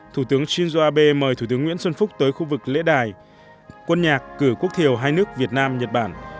thủ tướng shinzo abe mời thủ tướng nguyễn xuân phúc tới khu vực lễ đài quân nhạc cử quốc thiều hai nước việt nam nhật bản